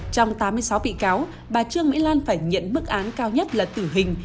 trong tám mươi sáu bị cáo bà trương mỹ lan phải nhận bức án cao nhất là tử hình